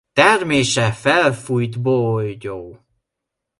Termése felfújt bogyó.